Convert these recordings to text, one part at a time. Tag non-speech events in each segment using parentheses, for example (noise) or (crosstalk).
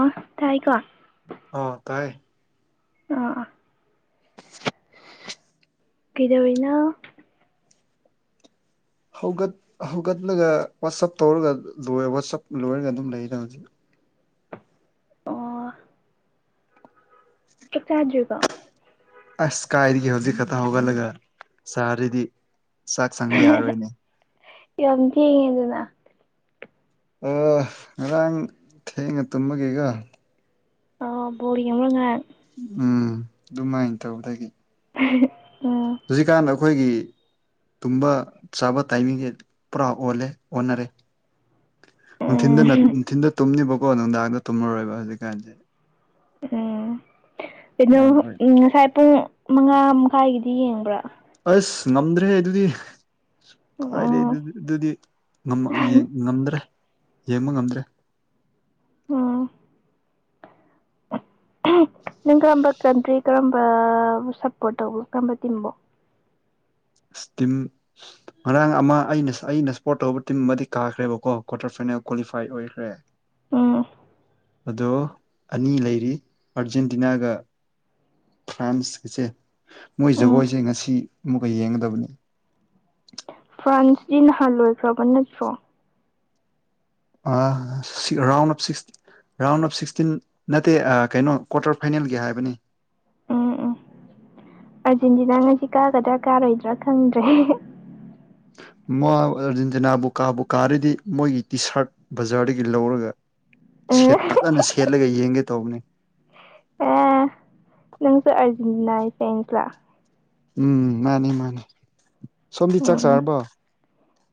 ꯑꯥ ꯇꯥꯏ ꯀꯣ ꯑ ꯀꯥꯏ ꯑꯥ ꯀꯩꯗꯧꯔꯤꯅ ꯍꯧꯒꯠ ꯍꯧꯒꯠꯂꯒ ꯋꯥꯆꯞ ꯇꯧꯔꯒ ꯂꯣꯏ ꯋꯥꯆꯞ ꯂꯣꯏꯔꯒ ꯑꯗꯨꯝ ꯂꯩꯗ ꯍꯧꯖꯤꯛ ꯑꯣ ꯑ ꯆꯖꯒ ꯑꯁ ꯀꯥꯏꯔꯤꯒꯤ ꯍꯧꯗꯤ ꯀꯊꯥ ꯍꯧꯒꯂꯒ ꯁꯔꯗꯤ ꯆꯥꯛ ꯁꯪꯉ ꯌꯥꯔꯣꯏꯅꯦ ꯌꯥꯝ ꯊꯦꯡꯉꯦꯗꯅ ꯑꯣ ꯉꯔꯥꯡ ꯊꯦꯡꯉ ꯇꯨꯝꯃꯒꯦꯒ ꯑ ꯣꯔꯤ ꯃꯉ ꯎꯝ ꯑꯗꯨꯃꯥꯏꯅ ꯇꯧꯕꯗꯒꯤ ꯎ ꯍꯧꯖꯤꯛꯀꯥꯟꯗ ꯑꯩꯈꯣꯏꯒꯤ ꯇꯨꯝꯕ ꯆꯥꯕ ꯇꯥꯏꯃꯤꯡꯁ ꯄꯨꯔꯥ ꯑꯣꯜꯂꯦ ꯑꯣꯟꯅꯔꯦ ꯅꯨꯡꯊꯤꯟꯗ ꯎꯝ ꯅꯨꯡꯊꯤꯟꯗ ꯇꯨꯝꯅꯤꯕꯀꯣ ꯅꯨꯡꯗꯥꯡꯗ ꯇꯨꯝꯃꯔꯣꯏꯕ ꯍꯧꯖꯤꯛꯀꯥꯟꯁꯦ ꯎꯝ ꯑꯗꯨꯃꯥꯏꯅ ꯑꯣꯏ ꯎ ꯄꯨꯡ ꯃꯉꯥ ꯃꯈꯥꯏꯒꯤꯗꯤ ꯌꯦꯡꯕ꯭ꯔꯥ ꯑꯁ ꯉꯝꯗ꯭ꯔꯦ ꯑꯗꯨꯗꯤ ꯀꯥꯏꯗꯩ ꯎꯝ ꯑꯗꯨꯗꯤ ꯉꯝꯗ꯭ꯔꯦ ꯌꯦꯡꯕ ꯉꯝꯗ꯭ꯔꯦ ꯎꯝ ꯅꯪ ꯀꯔꯝꯕ ꯀꯟꯇ꯭ꯔꯤ ꯀꯔꯝꯕ ꯁꯞꯄꯣꯔꯠ ꯇꯧꯕ ꯀꯔꯝꯕ ꯇꯤꯝꯕꯨꯣ ꯇꯤꯝ ꯉꯔꯥꯡ ꯑꯃ ꯑꯩꯅ ꯑꯩꯅ ꯁꯄꯣꯔꯠ ꯇꯧꯕ ꯇꯤꯝ ꯑꯃꯗꯤ ꯀꯥꯈ꯭ꯔꯦꯕꯀꯣ ꯀ꯭ꯋꯥꯇꯔ ꯐꯥꯏꯅꯦꯜ ꯀ꯭ꯋꯥꯂꯤꯐꯥꯏ ꯑꯣꯏꯈ꯭ꯔꯦ ꯎꯝ ꯑꯗꯣ ꯑꯅꯤ ꯂꯩꯔꯤ ꯑꯔꯖꯦꯟꯇꯤꯅꯥꯒ ꯐ꯭ꯔꯥꯟꯁꯀꯤꯁꯦ ꯃꯣꯏ ꯎꯝ ꯖꯒꯣꯏꯁꯦ ꯉꯁꯤ ꯑꯃꯨꯛꯀ ꯌꯦꯡꯒꯗꯕꯅꯤ (inaudible) ꯐ꯭ꯔꯥꯟꯁꯗꯤ ꯅꯍꯥꯟ ꯂꯣꯏꯈ꯭ꯔꯕ ꯅꯠꯇ꯭ꯔꯣ ꯑ ꯔꯥꯎꯟ ꯁꯤ ꯔꯥꯎꯟ ꯑꯣꯞ ꯁꯤꯛꯁꯇꯤꯟ ꯅꯠꯇꯦ ꯀꯩꯅꯣ ꯀ꯭ꯋꯥꯇꯔ ꯐꯥꯏꯅꯦꯜꯒꯤ ꯍꯥꯏꯕꯅꯤ (inaudible) ꯑꯥꯔꯖꯦꯟꯇꯤꯅꯥꯅꯁꯤ ꯀꯥꯒꯗ꯭ꯔꯥ ꯀꯥꯔꯣꯏꯗ꯭ꯔꯥ ꯈꯪꯗ꯭ꯔꯦ ꯃꯥ ꯑꯥꯔꯖꯦꯟꯇꯤꯅꯥꯕꯨ ꯀꯥꯕꯨ ꯀꯥꯔꯗꯤ ꯃꯣꯏꯒꯤ ꯇꯤ ꯁꯥꯔꯠ ꯕꯖꯥꯔꯗꯒꯤ ꯂꯧꯔꯒ ꯎꯝ ꯠ ꯐꯖꯅ ꯁꯦꯠꯂꯒ ꯌꯦꯡꯒꯦ ꯇꯧꯕꯅꯤ ꯑꯦ ꯅꯪꯁꯨ ꯑꯥꯔꯖꯦꯟꯇꯤꯅꯥꯒꯤ ꯇꯦꯟꯥ ꯎꯝ ꯃꯥꯅꯤ ꯃꯥꯅꯤ ꯁꯣꯝꯕꯤ ꯆꯥꯛ ꯎꯝ ꯁꯥꯔꯔꯕꯣ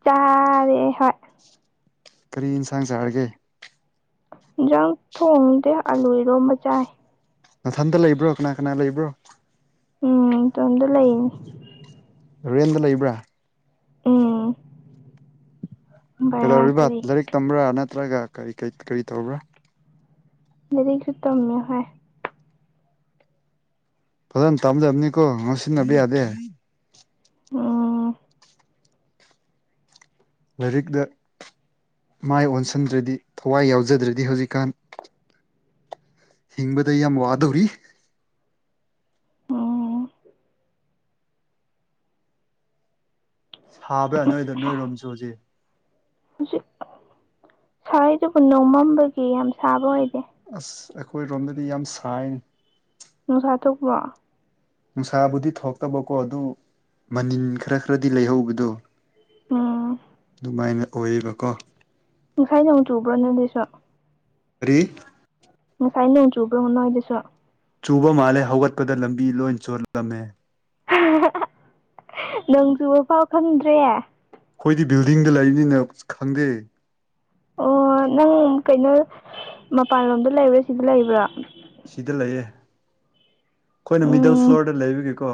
ꯆꯥꯔꯦ ꯍꯣꯏ ꯀꯔꯤ ꯌꯦꯟꯁꯥꯡ ꯆꯥꯔꯒꯦ ꯟꯖꯪ ꯊꯣꯡꯗꯦ ꯑꯂꯨ ꯏꯔꯣ ꯃꯆꯥꯏ ꯃꯊꯟꯇ ꯂꯩꯕ꯭ꯔꯣ ꯀꯅꯥ ꯀꯅꯥ ꯂꯩꯕ꯭ꯔꯣ ꯎꯝ ꯇ ꯑꯗ ꯂꯩ ꯔꯦꯟꯗ ꯂꯩꯕ꯭ꯔꯥ ꯎꯥ ꯀꯩꯗꯧꯔꯤꯕ ꯂꯥꯏꯔꯤꯛ ꯇꯝꯕ꯭ꯔꯥ ꯅꯠꯇ꯭ꯔꯒ ꯀꯔꯤ ꯀꯔꯤ ꯇꯧꯕ꯭ꯔꯥ ꯗꯦꯔꯤ ꯈꯨꯇꯝ ꯌ ꯍꯥꯏꯣꯏ ꯐꯖꯅ ꯇꯥꯝꯖꯕꯅꯤꯀꯣ ꯉꯥꯡ ꯁꯤꯟꯅꯕ ꯌꯥꯗꯦ ꯎꯝ ꯂꯥꯏꯔꯤꯛꯗ ꯃꯥꯏ ꯑꯣꯟꯁꯤꯟꯗ꯭ꯔꯗꯤ ꯊꯋꯥꯏ ꯌꯥꯎꯖꯗ꯭ꯔꯗꯤ ꯍꯧꯖꯤꯛꯀꯥꯟ ꯍꯕꯗ ꯑꯩ ꯌꯥꯝ ꯋꯥꯗꯧꯔꯤ ꯎꯝ ꯁꯥꯕ꯭ꯔꯥ ꯅꯣꯏꯗ ꯅꯣꯏꯔꯣꯝ ꯁ ꯍꯧꯖꯤꯛ ꯁꯥꯔꯩꯗꯨꯕꯨ ꯅꯣꯡꯃꯝꯕꯒꯤ ꯌꯥꯝ ꯁꯥꯕ ꯑꯣꯏꯗꯦ ꯑꯁ ꯑꯩꯈꯣꯏꯔꯣꯝꯗꯗꯤ ꯌꯥꯝ ꯁꯥꯏ ꯅꯨꯡꯁꯥ ꯊꯣꯛꯣꯛꯄ ꯅꯨꯡꯁꯥꯕꯨꯗꯤ ꯊꯣꯛꯇꯕꯀꯣ ꯑꯗꯨ ꯃꯅꯤꯟ ꯈꯔ ꯈꯔꯗꯤ ꯂꯩꯍꯧꯕꯗꯣ ꯎꯝ ꯑꯗꯨꯃꯥꯏꯅ ꯑꯣꯏꯌꯦꯕꯀꯣ ꯉꯁꯥꯏꯗꯨꯛ ꯆꯨꯕ꯭ꯔꯣ ꯅꯗꯤꯁꯨ ꯐꯔꯤ ꯁꯥꯏꯅꯣꯡ ꯆꯨꯕ꯭ꯔꯣꯅꯣ ꯑꯣꯏꯗꯁꯨꯣ ꯆꯨꯕ ꯃꯥꯜꯂꯦ ꯍꯧꯒꯠꯄꯗ ꯂꯝꯕꯤ ꯂꯣꯏ ꯆꯣꯜꯂꯝꯃꯦ ꯅꯪꯁꯨꯕ ꯄꯥꯎ ꯈꯪꯗ꯭ꯔꯦ ꯑꯩꯈꯣꯏꯗꯤ ꯕꯤꯜꯗꯤꯡꯗ ꯂꯩꯕꯅꯤꯅ ꯈꯪꯗꯦ ꯑꯣ ꯅꯪ ꯀꯩꯅꯣ ꯃꯄꯥꯟꯂꯣꯝꯗ ꯂꯩꯕ꯭ꯔꯥ ꯁꯤꯗ ꯂꯩꯕ꯭ꯔꯥ ꯁꯤꯗ ꯂꯩꯌꯦ ꯑꯩꯈꯣꯏꯅ ꯃꯤꯗꯜ ꯎꯝ ꯐ꯭ꯂꯣꯔꯗ ꯂꯩꯕꯒꯦꯀꯣ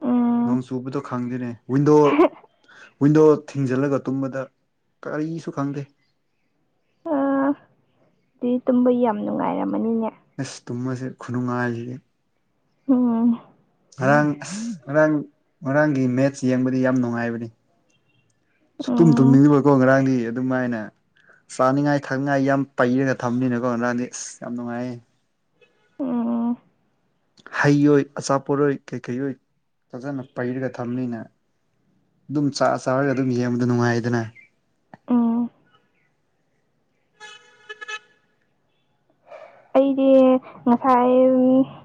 ꯎꯝ ꯅꯣꯡ ꯆꯨꯕꯗꯣ ꯈꯪꯗꯣꯏꯅꯦ ꯍꯗ ꯋꯤꯟꯗꯣ ꯊꯤꯡꯖꯤꯜꯂꯒ ꯇꯨꯝꯕꯗ ꯀꯔꯤꯁꯨ ꯈꯪꯗꯦ ꯑ ꯑꯗꯨꯗꯤ ꯇꯨꯝꯕꯩ ꯌꯥꯝ ꯅꯨꯡꯉꯥꯏꯔꯝꯃꯅꯤꯅꯦ ꯑꯁ ꯇꯨꯝꯃꯁꯦ ꯈꯨꯅꯨꯡꯉꯥꯏꯁꯤꯗꯤ ꯎꯝ ꯉꯔꯥꯡ ꯉꯔꯥꯡ ꯉꯔꯥꯡꯒꯤ ꯃꯦꯠꯁ ꯌꯦꯡꯕꯗꯤ ꯌꯥꯝ ꯅꯨꯡꯉꯥꯏꯕꯅꯤ ꯁꯨ ꯇꯨꯝ ꯎꯝ ꯇꯨꯝꯅꯤꯡꯉꯕꯀꯣ ꯉꯔꯥꯡꯗꯤ ꯑꯗꯨꯝꯃꯥꯏꯅ ꯆꯥꯅꯤꯡꯉꯥꯏ ꯊꯛꯅꯤꯡꯉꯥꯏ ꯌꯥꯝ ꯄꯩꯔꯒ ꯊꯝꯅꯤꯅꯀꯣ ꯔꯥꯟꯅꯤ ꯑꯁ ꯌꯥꯝ ꯅꯨꯡꯉꯥꯏ ꯎꯝ ꯍꯩꯔꯣꯏ ꯑꯆꯥꯄꯣꯠꯣꯏ ꯀꯩꯀꯩꯔꯣꯏ ꯐꯖꯅ ꯄꯩꯔꯒ ꯊꯝꯂꯤꯅꯦ ꯑꯗꯨꯝ ꯆꯥꯛ ꯆꯥꯔꯒ ꯑꯗꯨꯝ ꯌꯦꯡꯕꯗ ꯅꯨꯡꯉꯥꯏꯗꯅ ꯎꯝ ꯑꯩꯗꯤ ꯉꯁꯥꯏ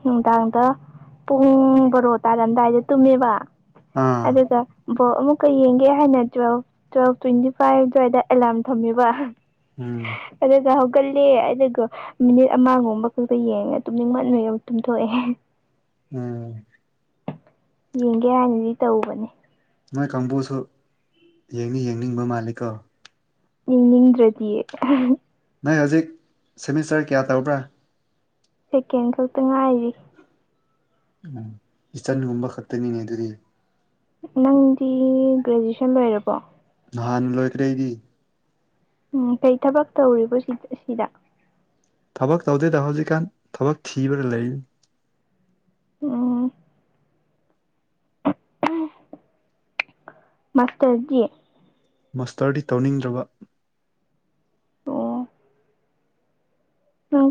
ꯅꯨꯡꯗꯥꯡꯗ ꯄꯨꯡ ꯕꯣꯔꯣ ꯇꯥꯔꯝꯗꯥꯏꯗ ꯇꯨꯝꯃꯦꯕ ꯑꯥ ꯑꯗꯨꯒ ꯕꯣ ꯑꯃꯨꯛꯀ ꯌꯦꯡꯒꯦ ꯍꯥꯏꯅ ꯇꯨꯋꯦꯜ ꯇꯨꯋꯦꯜꯐ ꯇ꯭ꯋꯦꯟꯇꯤ ꯐꯥꯏꯚ ꯑꯗꯨꯋꯥꯏꯗ ꯑꯦꯂꯥꯔꯝ ꯊꯝꯃꯦꯕ ꯎꯝ ꯀꯜꯂꯦ ꯑꯗꯨꯒꯒ ꯃꯤꯅꯤꯠ ꯑꯃꯒꯨꯝꯕ ꯈꯛꯄ ꯌꯦꯡꯉꯦ ꯇꯨꯝꯅꯤꯡ ꯃ ꯃꯣꯏꯨ ꯇꯨꯝꯊꯣꯛꯑꯦ ꯎꯝ ꯌꯦꯡꯒꯦ ꯍꯥꯏꯅꯗꯤ ꯇꯧꯕꯅꯦ ꯅꯣꯏ ꯀꯥꯡꯕꯨꯁꯨ ꯌꯦꯡꯅꯤ ꯌꯦꯡꯅꯤꯡꯕ ꯃꯥꯜꯂꯤꯀꯣ ꯌꯦꯡꯅꯤꯡꯗ꯭ꯔꯗꯤꯌꯦ ꯅꯣꯏ ꯍꯧꯖꯤꯛ ꯁꯦꯃꯤꯁꯇꯔ ꯀꯌꯥ ꯇꯔꯕ꯭ꯔꯥ ꯁꯦꯀꯦꯟ ꯈꯛꯇ ꯉꯥꯏꯔꯤ ꯎꯝ ꯏꯆꯟꯒꯨꯝꯕ ꯈꯛꯇꯅꯤꯅꯦ ꯑꯗꯨꯗꯤ ꯅꯪꯗꯤ ꯒ꯭ꯔꯦꯖꯨꯑꯦꯁꯟ ꯂꯣꯏꯔꯕꯣ ꯅꯍꯥꯟꯅ ꯂꯣꯏꯈ꯭ꯔꯩꯗꯤ ꯎꯝ ꯀꯩ ꯊꯕꯛ ꯇꯧꯔꯤꯕꯣ ꯁꯤ ꯁꯤꯗ ꯊꯕꯛ ꯇꯧꯗꯦꯗ ꯍꯧꯖꯤꯛꯀꯥꯟ ꯊꯕꯛ ꯊꯤꯕ꯭ꯔꯥ ꯂꯩꯔꯤ ꯑꯣ ꯃꯥꯁꯇꯔꯖꯤ ꯃꯥꯁꯇꯔꯗꯤ ꯇꯧꯅꯤꯡꯗ꯭ꯔꯕ ꯇꯣ ꯅꯪ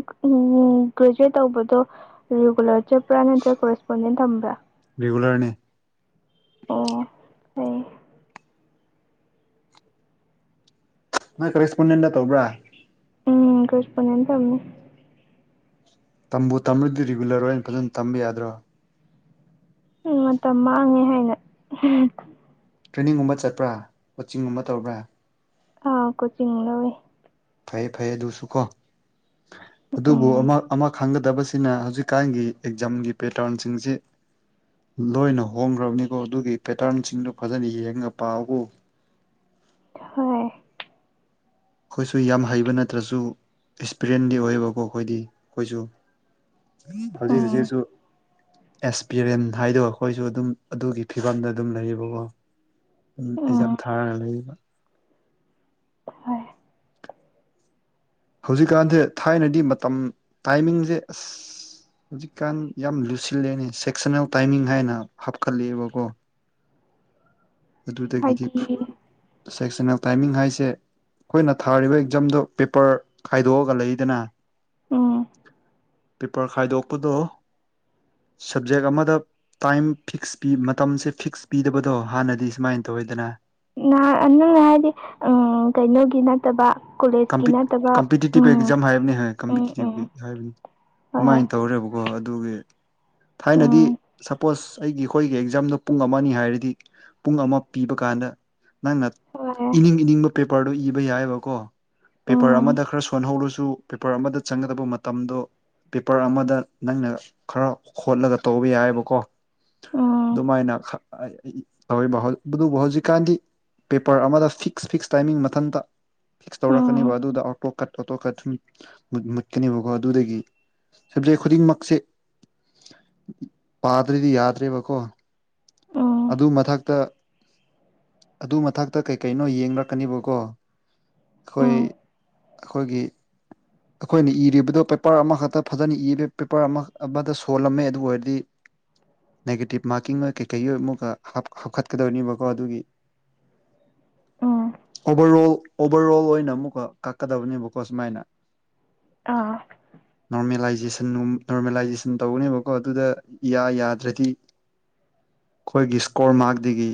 ꯒ꯭ꯔꯦꯖꯨꯋꯦꯠ ꯇꯧꯕꯗꯣ ꯔꯤꯒꯨꯂꯔ ꯆꯠꯄ꯭ꯔꯥ ꯅꯠꯇ꯭ꯔꯒ ꯀꯣꯔꯦꯁꯄꯣꯟꯗꯦꯟ ꯊꯝꯕ꯭ꯔꯥ ꯔꯤꯒꯂꯔꯅꯦ ꯑꯣ ꯑꯣ ꯅꯪ ꯀꯔꯦꯁꯄꯣꯟꯗꯦꯟꯗ ꯇꯧꯕ꯭ꯔꯥ ꯎꯝ ꯀꯆꯄꯅꯤꯦ ꯇꯅꯤ ꯇꯝꯕꯨ ꯇꯝꯂꯗꯤ ꯔꯤꯒꯨꯂꯔ ꯑꯣꯏ ꯑꯩꯅ ꯐꯖꯅ ꯇꯝꯕ ꯌꯥꯗ꯭ꯔꯣ ꯎ ꯃꯇꯝ ꯃꯥꯡꯉꯦ ꯍꯥꯏꯅ ꯎ ꯇ꯭ꯔꯦꯅꯤꯡꯒꯨꯝꯕ ꯆꯠꯄ꯭ꯔꯥ ꯀꯣꯆꯤꯡꯒꯨꯝꯕ ꯇꯧꯕ꯭ꯔꯥ ꯑꯥ ꯀꯣꯆꯤꯡ ꯂꯧꯋꯦ ꯐꯩ ꯐꯩ ꯑꯗꯨꯁꯨ ꯀꯣ ꯑꯗꯨꯕꯨ ꯎꯝ ꯑꯃ ꯑꯃ ꯈꯪꯗ ꯇꯕꯁꯤꯅ ꯍꯧꯖꯤꯛꯀꯥꯟꯒꯤ ꯑꯦꯛꯖꯥꯝꯒꯤ ꯄꯦꯇꯔꯟꯁꯤꯡꯁꯤ ꯂꯣꯏꯅ ꯍꯣꯡꯈ꯭ꯔꯕꯅꯤꯀꯣ ꯑꯗꯨꯒꯤ ꯄꯦꯇꯔꯟꯁꯤꯡꯗꯨ ꯐꯖꯅ ꯌꯦꯡꯉ ꯄꯥꯛꯕꯨ (unintelligible) ꯍꯣꯏ ꯑꯩꯈꯣꯏꯁꯨ ꯌꯥꯝ ꯍꯩꯕ ꯅꯠꯇ꯭ꯔꯁꯨ ꯑꯦꯛꯁꯄꯤꯔꯤꯦꯟꯗꯤ ꯑꯣꯏꯌꯦꯕꯀꯣ ꯑꯩꯈꯣꯏꯗꯤ ꯑꯩꯈꯣꯏꯁꯨ ꯍꯧꯖꯤꯛ ꯎꯝ ꯍꯧꯖꯤꯛꯁꯨ ꯑꯦꯛꯁꯄꯤꯔꯤꯟ ꯍꯥꯏꯗꯣ ꯑꯩꯈꯣꯏꯁꯨ ꯑꯗꯨꯝ ꯑꯗꯨꯒꯤ ꯐꯤꯕꯝꯗ ꯑꯗꯨꯝ ꯂꯩꯌꯦꯕꯀꯣ ꯑꯦꯖꯝ ꯎꯝ ꯊꯥꯔꯒ ꯂꯩꯔꯤꯕ ꯍꯣꯏ ꯍꯧꯖꯤꯛꯀꯥꯟꯁꯦ ꯊꯥꯏꯅꯗꯤ ꯃꯇꯝ ꯇꯥꯏꯃꯤꯡꯁꯦ ꯑꯁ ꯍꯧꯖꯤꯛꯀꯥꯟ ꯌꯥꯝ ꯂꯨꯁꯤꯜꯂꯦꯅꯦ ꯁꯦꯛꯁꯟꯅꯜ ꯇꯥꯏꯃꯤꯡ ꯍꯥꯏꯅ ꯍꯥꯞꯀꯠꯂꯛꯑꯦꯕꯀꯣ ꯑꯗꯨꯗꯒꯤꯗꯤ ꯍꯥꯏꯗꯤ ꯁꯦꯛꯁꯟ ꯑꯣꯐ ꯇꯥꯏꯃꯤꯡ ꯍꯥꯏꯁꯦ ꯑꯩꯈꯣꯏꯅ ꯊꯥꯔꯤꯕ ꯑꯦꯛꯖꯥꯝꯗꯣ ꯄꯦꯄꯔ ꯈꯥꯏꯗꯣꯛꯑꯒ ꯂꯩꯗꯅ ꯎꯝ ꯄꯦꯄꯔ ꯈꯥꯏꯗꯣꯛꯄꯗꯣ ꯁꯞꯖꯦꯛ ꯑꯃꯗ ꯇꯥꯏꯝ ꯐꯤꯛꯁ ꯄꯤ ꯃꯇꯝꯁꯦ ꯐꯤꯛꯁ ꯄꯤꯗꯕꯗꯣ ꯍꯥꯟꯅꯗꯤ ꯁꯨꯃꯥꯏꯅ ꯇꯧ ꯑꯣꯏꯗꯅ ꯅꯍꯥꯟ ꯅꯪꯅ ꯍꯥꯏꯗꯤ ꯎꯝ ꯀꯩꯅꯣꯒꯤ ꯅꯠꯇꯕ ꯀꯣꯂꯦꯖꯀꯤ ꯅꯠꯇꯕ ꯀꯝꯄꯤꯇꯤꯇꯤꯚ ꯎꯝ ꯑꯦꯛꯖꯥꯝ ꯍꯥꯏꯕꯅꯤ ꯍꯣꯏ ꯎꯝ ꯎꯝ ꯀꯝꯄꯤꯇꯤꯇꯤꯚ ꯍꯥꯏꯕꯅꯤ ꯍꯣꯏ ꯑꯗꯨꯃꯥꯏꯅ ꯇꯧꯔꯦꯕꯀꯣ ꯑꯗꯨꯒꯤ ꯊꯥꯏꯅꯗꯤ ꯁꯄꯣꯁ ꯑꯩꯒꯤ ꯑꯩꯈꯣꯏꯒꯤ ꯑꯦꯛꯖꯥꯝꯗꯣ ꯄꯨꯡ ꯑꯃ ꯍꯥꯏꯔꯗꯤ ꯄꯨꯡ ꯑꯃ ꯄꯤꯕ ꯀꯥꯟ ꯑꯅ ꯅꯪꯅ ꯍꯣꯏ ꯏꯅꯤꯡ ꯏꯅꯤꯡꯕ ꯄꯦꯄꯔꯗꯣ ꯏꯕ ꯌꯥꯏꯑꯕꯀꯣ ꯄꯦꯄꯔ ꯎꯝ ꯑꯃꯗ ꯈꯔ ꯁꯣꯟꯍꯧꯔꯁꯨ ꯄꯦꯄꯔ ꯑꯃꯗ ꯆꯪꯒꯗꯕ ꯃꯇꯝꯗꯣ ꯄꯦꯄꯔ ꯑꯃꯗ ꯅꯪꯅ ꯈꯔ ꯍꯣꯠꯂꯒ ꯇꯧꯕ ꯌꯥꯏꯑꯕꯀꯣ ꯍꯣꯏ ꯎꯝ ꯑꯗꯨꯃꯥꯏꯅ ꯇꯧ ꯑꯗꯨꯕꯨ ꯍꯧꯖꯤꯛꯀꯥꯟꯗꯤ ꯄꯦꯄꯔ ꯑꯃꯗ ꯐꯤꯛꯁ ꯐꯤꯛꯁ ꯇꯥꯏꯃꯤꯡ ꯃꯊꯟꯇ ꯐꯤꯛꯁ ꯎꯝ ꯇꯧꯔꯛꯀꯅꯦꯕ ꯎꯝ ꯑꯗꯨꯗ ꯑꯣꯇꯣ ꯀꯠ ꯑꯣꯇꯣ ꯀꯠ ꯁꯨꯝ ꯃꯨꯠꯀꯅꯤꯕꯀꯣ ꯑꯗꯨꯗꯒꯤ ꯁꯕꯖꯦꯛ ꯈꯨꯗꯤꯡꯃꯛꯁꯦ ꯄꯥꯗ꯭ꯔꯗꯤ ꯌꯥꯗ꯭ꯔꯦꯕꯀꯣ ꯎꯝ ꯑꯗꯨ ꯃꯊꯛꯇ ꯑꯗꯨ ꯃꯊꯛꯇ ꯀꯩ ꯀꯩꯅꯣ ꯌꯦꯡꯂꯛꯀꯅꯤꯕꯀꯣ ꯑꯩꯈꯣꯏ ꯎꯝ ꯑꯩꯈꯣꯏꯒꯤ ꯑꯩꯈꯣꯏꯅ ꯏꯔꯤꯕꯗꯨꯣ ꯄꯦꯄꯔ ꯑꯃꯈꯛꯇ ꯐꯖꯅ ꯏꯕ ꯄꯦꯄꯔ ꯑꯃ ꯑꯃꯗ ꯁꯣꯜꯂꯝꯃꯦ ꯑꯗꯨ ꯑꯣꯏꯔꯗꯤ ꯅꯦꯒꯦꯇꯤꯞ ꯃꯥꯔꯀꯤꯡ ꯑꯃ ꯀꯩꯀꯩꯒꯤ ꯑꯃꯨꯛꯀ ꯍꯥꯞꯀꯠꯀꯗꯧꯅꯦꯕꯀꯣ ꯑꯗꯨꯒꯤ ꯎꯝ (inaudible) ꯑꯣꯚꯔ ꯑꯣꯜ ꯑꯣꯚꯔ ꯑꯣꯜ ꯑꯣꯏꯅ ꯑꯃꯨꯛꯀ ꯀꯛꯀꯗꯕꯅꯦꯕꯀꯣ ꯁꯨꯃꯥꯏꯅ ꯑꯥ ꯅꯃꯦꯂꯥꯏ ꯅꯣꯔꯃꯦꯂꯥꯏꯖꯦꯁꯟ ꯇꯧꯒꯅꯦꯕꯀꯣ ꯑꯗꯨꯗ ꯌꯥ ꯌꯥꯗ꯭ꯔꯗꯤ ꯑꯩꯈꯣꯏꯒꯤ ꯏꯁꯀꯣꯔ ꯃꯥꯔꯗꯒꯤ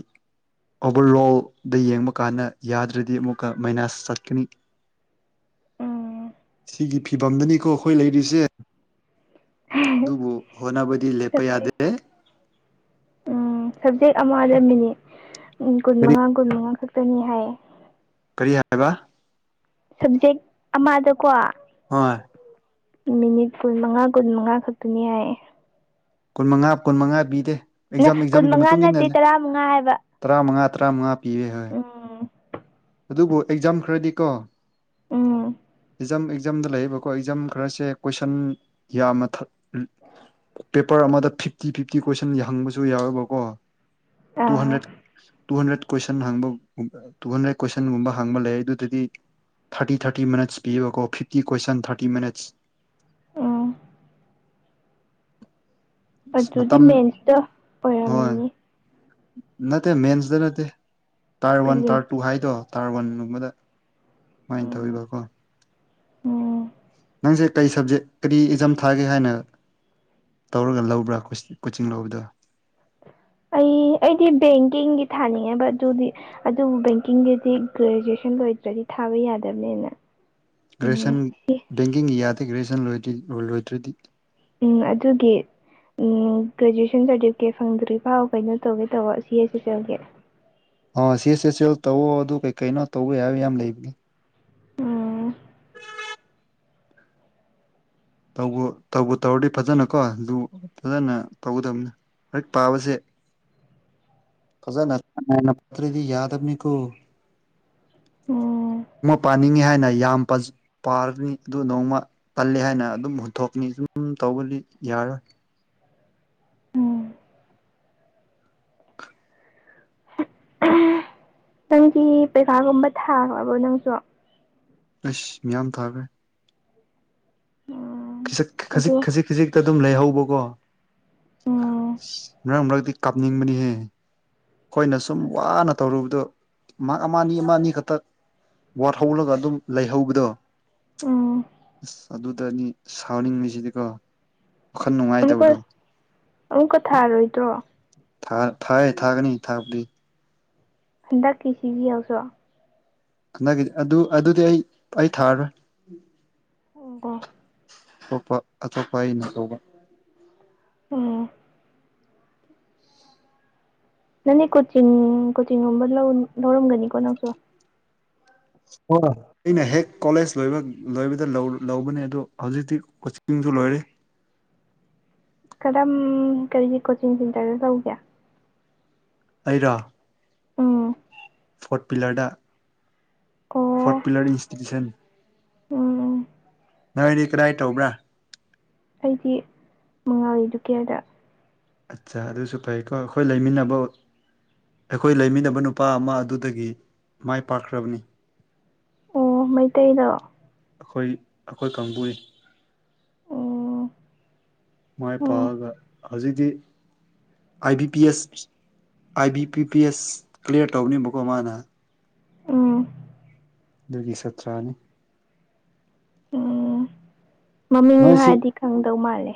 ꯑꯣꯕꯔ ꯑꯣꯣꯜꯗ ꯌꯦꯡꯕ ꯀꯥꯟꯗ ꯌꯥꯗ꯭ꯔꯗꯤ ꯑꯃꯨꯛꯀ ꯃꯥꯏꯅꯥꯁ ꯆꯠꯀꯅꯤ ꯎꯝ ꯁꯤꯒꯤ ꯐꯤꯕꯝꯗꯅꯤꯀꯣ ꯑꯩꯈꯣꯏ ꯂꯩꯔꯤꯁꯦ ꯑꯗꯨꯗꯨꯕꯨ ꯍꯣꯅꯕꯗꯤ ꯂꯦꯞꯄ ꯁꯕꯖꯦꯛ ꯌꯥꯗꯦ ꯎꯝ ꯁꯕꯖꯦꯛ ꯑꯃꯗ ꯃꯤꯅꯤꯠ ꯀꯨꯟ ꯀꯔꯤ ꯃꯉꯥ ꯀꯨꯟ ꯃꯉꯥ ꯈꯛꯇꯅꯤ ꯍꯥꯏꯌꯦ ꯀꯔꯤ ꯍꯥꯏꯕ ꯁꯕꯖꯦꯛ ꯑꯃꯗꯀꯣ ꯑꯣꯏ ꯃꯤꯅꯤꯠ ꯀꯨꯟ ꯃꯉꯥ ꯀꯨꯟ ꯃꯉꯥ ꯈꯛꯇꯅꯤ ꯍꯥꯏꯌꯦ ꯀꯨꯟ ꯃꯉꯥ ꯀꯨꯟ ꯃꯉꯥ ꯄꯤꯗꯦ ꯑꯦꯛꯖꯥꯝ ꯀꯨꯟ ꯑꯦꯛꯖꯥꯝꯒꯤ ꯃꯉꯥ ꯃꯇꯨꯡ ꯅꯠꯇꯦ ꯏꯟꯅꯅꯦ ꯇꯔꯥ ꯃꯉꯥ ꯍꯥꯏꯕ ꯇꯔꯥꯃꯉꯥ ꯃꯇ꯭ꯔꯥ ꯃꯥꯉ ꯄꯤꯋ ꯍꯣꯏ ꯎꯝ ꯑꯗꯨꯕꯨ ꯑꯦꯛꯖꯥꯝ ꯈꯔꯗꯤ ꯀꯣ ꯎꯝ ꯑꯦꯛꯖꯥꯝ ꯑꯦꯛꯖꯥꯝꯗ ꯂꯩꯔꯤꯕꯀꯣ ꯑꯦꯛꯖꯥꯝ ꯈꯔꯁꯦ ꯀꯣꯏꯁꯟ ꯌꯥꯝꯅ ꯄꯦꯄꯔ ꯑꯃꯗ ꯐꯤꯐꯇꯤ ꯐꯤꯐꯇꯤ ꯀꯣꯏꯁꯟ ꯍꯪꯕꯁꯨ ꯌꯥꯎꯋꯦꯕꯀꯣ ꯇꯨ ꯑꯥ ꯍꯟꯗ꯭ꯔꯦꯠ ꯇꯨ ꯍꯟꯗ꯭ꯔꯦꯠ ꯀꯣꯏꯁꯟ ꯍꯥꯡꯕ ꯇꯨ ꯍꯟꯗ꯭ꯔꯦꯠ ꯀꯣꯏꯁꯟꯒꯨꯝꯕ ꯍꯥꯡꯕ ꯂꯩ ꯑꯗꯨꯗꯗꯤ ꯊꯥꯔꯇꯤ ꯊꯥꯔꯇꯤ ꯃꯤꯅꯠꯁ ꯄꯤꯌꯦꯕꯀꯣ ꯐꯤꯞꯇꯤ ꯀꯣꯏꯁꯟ ꯊꯥꯔꯇꯤ ꯃꯤꯅꯠꯁ ꯎꯝ ꯑꯁ ꯑꯗꯨꯗꯤ ꯃꯇꯝ ꯃꯦꯟꯁꯇ ꯍꯣꯏ ꯑꯣꯏꯔꯝꯅꯤ ꯅꯠꯇꯦ ꯃꯦꯟꯁꯇ ꯅꯠꯇꯦ ꯇꯥꯔ ꯋꯥꯟ ꯄ꯭ꯔꯤꯂꯤꯝ ꯇꯥꯔ ꯇꯨ ꯍꯥꯏꯗꯣ ꯇꯥꯔꯕꯟꯒꯨꯝꯕꯗ ꯁꯨꯃꯥꯏꯅ ꯎꯝ ꯇꯧꯋꯕꯀꯣ ꯎꯝ ꯁ ꯀꯔꯤ ꯁꯕꯖꯦꯛ ꯀꯔꯤ ꯏꯖꯝ ꯊꯥꯒꯦ ꯍꯥꯏꯅ ꯇꯧꯔꯒ ꯂꯧꯕ꯭ꯔꯥ ꯀꯣꯆꯤꯡ ꯂꯧꯕꯗ ꯑꯩ ꯑꯩꯗꯤ ꯕꯦꯡꯀꯤꯡꯗꯤ ꯊꯥꯅꯤꯡꯉꯦꯕ ꯑꯗꯨꯗꯤ ꯑꯗꯨꯕꯨ ꯕꯦꯡꯀꯤꯡꯒꯤꯗꯤ ꯒ꯭ꯔꯦꯖꯨꯑꯦꯁꯟ ꯂꯣꯏꯗ꯭ꯔꯦ ꯗꯤ ꯊꯥꯕ ꯌꯥꯗꯕꯅꯦꯅ ꯒ꯭ꯔꯦꯖꯨꯦꯁꯟ ꯕꯦꯡꯀꯤꯡ ꯌꯥꯗꯦ ꯒ꯭ꯔꯦꯖꯨꯁꯟ ꯂ ꯂꯣꯏꯗ꯭ꯔꯗꯤ ꯎꯝ ꯑꯗꯨꯒꯤ ꯎꯝ ꯒ꯭ꯔꯦꯖꯨꯑꯦꯁꯟ ꯁꯥꯔꯇꯤꯐꯤꯀꯦꯠ ꯐꯪꯗ꯭ꯔꯤ ꯐꯥꯎ ꯀꯩꯅꯣ ꯇꯧꯒꯦ ꯇꯧꯕ ꯁꯤ ꯑꯦꯁ ꯁꯤ ꯆꯒꯦ ꯑ ꯁꯤꯁꯦꯁꯦꯜ ꯇꯧꯋꯣ ꯑꯗꯨ ꯀꯩ ꯀꯩꯅꯣ ꯇꯧꯋ ꯍꯥꯏꯕ ꯌꯥꯝ ꯂꯩꯕꯒꯦ ꯎꯝ ꯇꯧꯕ ꯇꯧꯔꯗꯤ ꯐꯖꯅꯀꯣ ꯑꯗꯨ ꯐꯖꯅ ꯇꯧꯒꯗꯕꯅꯤ ꯍꯦꯛ ꯄꯥꯕꯁꯦ ꯐꯖꯅ ꯄꯠꯇ꯭ꯔꯗꯤ ꯌꯥꯗ ꯑꯅꯤ ꯀꯣ ꯑꯣ ꯅꯣꯡꯃ ꯄꯥꯅꯤꯡꯉꯤ ꯍꯥꯏꯅ ꯌꯥꯝ ꯄꯥꯔꯅꯤ ꯑꯗꯨ ꯅꯣꯡꯃ ꯇꯜꯜꯂꯤ ꯍꯥꯏꯅ ꯑꯗꯨꯝ ꯍꯨꯟꯊꯣꯛꯅꯤ ꯁꯨꯝ ꯇꯧꯕꯗꯤ ꯌꯥꯔꯣꯏ ꯎꯝ ꯅꯪꯗꯤ ꯄꯩꯈꯥꯒꯨꯝꯕ ꯊꯥꯈ꯭ꯔꯕꯣ ꯅꯪꯁꯨ ꯁ ꯌꯥꯍꯟꯗ ꯍꯥꯏ ꯎꯝ ꯈꯖꯤꯛ ꯑꯗꯨ ꯈꯖꯤꯛ ꯈꯖꯤꯛꯇ ꯑꯗꯨꯝ ꯂꯩꯍꯧꯕꯀꯣ ꯎꯝ ꯃꯔꯛ ꯃꯔꯛꯇꯤ ꯀꯥꯞꯅꯤꯡꯕꯅꯤꯍꯦ ꯑꯩꯈꯣꯏꯅ ꯁꯨꯝ ꯋꯥꯅ ꯇꯧꯔꯨꯕꯗꯣ ꯃꯍꯥꯛ ꯑꯃ ꯑꯅꯤ ꯑꯃ ꯑꯅꯤ ꯈꯛꯇꯛ ꯋꯥꯠꯍꯧꯔꯒ ꯑꯗꯨꯝ ꯂꯩꯍꯧꯕꯗꯣ ꯎꯝ ꯑꯁ ꯑꯗꯨꯗꯅꯤ ꯁꯥꯎꯅꯤꯡꯂꯤꯁꯤꯗꯤꯀꯣ ꯋꯥꯈꯜ ꯑꯃꯨꯛꯀ ꯅꯨꯡꯉꯥꯏꯇꯕꯗꯣ ꯑꯃꯨꯛꯀ ꯊꯥꯔꯣꯏꯗ꯭ꯔꯣ ꯊꯥ ꯊꯥꯑ ꯊꯒꯅꯤ ꯊꯥꯄꯗꯤ ꯍꯗꯀꯤꯁꯤꯒꯤꯔ ꯍꯟꯗꯛꯀꯤꯗꯤ ꯑꯗꯨ ꯑꯗꯨꯗꯤ ꯑꯩ ꯑꯩ ꯊꯥꯔꯔꯣꯏ ꯑꯣꯀꯣ ꯑꯇꯣꯞꯄ ꯑꯇꯣꯞꯄ ꯑꯩꯅ ꯇꯧꯕ ꯑꯣ ꯅꯪꯅꯦ ꯀꯣꯆꯤꯡ ꯀꯣꯆꯤꯡꯒꯨꯝꯕ ꯂꯧꯔꯝꯒꯅꯤꯀꯣ ꯅꯪꯁꯨ ꯍ ꯑꯩꯅ ꯍꯦꯛ ꯀꯣꯂꯦꯖ ꯂꯣꯏ ꯂꯣꯏꯕꯗ ꯂꯧꯕꯅꯦ ꯑꯗꯣ ꯍꯧꯖꯤꯛꯇꯤ ꯀꯣꯆꯤꯡ ꯂꯣꯏꯔꯦ ꯀꯗꯥꯝ ꯀꯔꯤꯒꯤ ꯀꯣꯆꯤꯡ ꯁꯦꯟꯇꯔꯗ ꯇꯧꯒꯦ ꯑꯩꯔꯥ ꯎꯝ ꯐꯣꯔꯠ ꯄꯤꯂꯔꯗ ꯐꯣꯔ ꯄꯤꯂꯔ ꯏꯟꯁꯇꯤꯇ꯭ꯌꯨꯁꯟ ꯑꯣ ꯅꯣꯏꯗꯤ ꯀꯗꯥꯏ ꯇꯧꯕ꯭ꯔꯥ ꯑꯩꯗꯤ ꯃꯉꯥꯜ ꯏꯗꯨꯀꯦꯌꯔꯗ ꯑꯠꯆꯥ ꯑꯗꯨꯁꯨ ꯐꯩꯀꯣ ꯑꯩꯈꯣꯏ ꯂꯩꯃꯤꯟꯅꯕ ꯑꯩꯈꯣꯏ ꯂꯩꯃꯤꯟꯅꯕ ꯅꯨꯄꯥ ꯑꯃ ꯑꯗꯨꯗꯒꯤ ꯃꯥꯏ ꯄꯥꯛꯈ꯭ꯔꯕꯅꯤ ꯑꯣ ꯃꯩꯇꯩꯗꯣ ꯑꯩꯈꯣꯏ ꯑꯩꯈꯣꯏ ꯀꯥꯡꯕꯨꯏ ꯎꯝ ꯃꯥꯏ ꯎꯝ ꯄꯥꯛꯑꯒ ꯍꯧꯖꯤꯛꯇꯤ I B P S I B P P S clear ꯇꯧꯅꯦꯕꯀꯣ ꯃꯥꯅ ꯎꯝ ꯑꯗꯨꯒꯤ ꯁꯥꯇ꯭ꯔꯥꯅꯤ ꯎꯝ ꯃꯃꯤꯡ ꯍꯥꯏꯔꯗꯤ ꯈꯪꯗꯧ ꯃꯥꯜꯂꯦ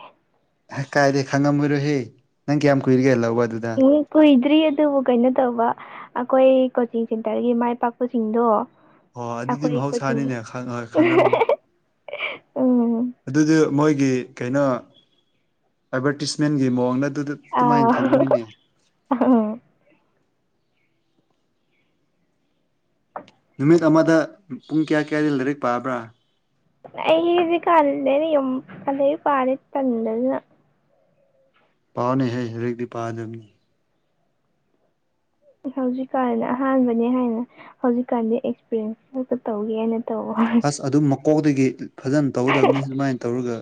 ꯍ ꯀꯥꯏꯗꯦ ꯈꯪꯉꯝꯃꯣꯏꯔꯣꯍꯦ ꯅꯪ ꯀꯌꯥꯝ ꯀꯨꯏꯔꯒꯦꯂ ꯎ ꯀꯣꯏ ꯗ꯭ꯔꯤ ꯑꯗꯨꯕꯨ ꯀꯩꯅꯣ ꯇꯧꯕ ꯑꯩꯈꯣꯏ ꯀꯣꯆꯤꯡ ꯁꯦꯟꯇꯔꯒꯤ ꯃꯥꯏ ꯄꯥꯛꯄꯁꯤꯡꯗꯣ ꯑꯣ ꯑꯗꯨꯗꯤ ꯃꯍꯧꯁꯥꯅꯤꯅꯦ ꯈꯪꯔꯝꯅꯤ (unintelligible) ꯑꯗꯨꯗꯤ ꯃꯣꯏꯒꯤ ꯀꯩꯅꯣ ꯑꯦꯠꯚꯔꯇꯤꯁꯃꯦꯟꯒꯤ ꯃꯑꯣꯡꯗ ꯑꯗꯨꯗ ꯑꯥꯎ ꯑꯗꯨꯃꯥꯏꯅ ꯊꯝꯕꯅꯤꯅꯦ ꯑꯩ ꯅꯨꯃꯤꯠ ꯑꯃꯗ ꯄꯨꯡ ꯀꯌꯥ ꯀꯌꯥꯗꯒꯤ ꯂꯥꯏꯔꯤꯛ ꯄꯥꯕ꯭ꯔꯥ ꯗꯤ ꯀꯂꯅꯤ ꯑꯗꯩ ꯄꯥꯔ ꯇ ꯄꯥꯅꯩ ꯍꯥꯏ ꯍꯧꯗꯛꯇꯤ ꯄꯥꯗꯕꯅꯤ ꯍꯧꯖꯤꯛꯀꯥꯟ ꯑꯍꯥꯟꯕꯅꯦ ꯍꯥꯏꯅ ꯍꯧꯖꯤꯛꯀꯥꯟꯗꯤ ꯑꯦꯛꯁꯄꯤꯔꯤꯌꯦꯟꯁ ꯑꯃꯇ ꯇꯧꯒꯦ ꯍꯥꯏꯅ ꯇꯧꯕ ꯑꯁ ꯑꯗꯨꯝ ꯃꯀꯣꯛꯇꯗꯒꯤ ꯐꯖꯅ ꯇꯧꯒꯗꯕꯅꯤ ꯁꯃꯥꯏꯅ ꯇꯧꯔꯒ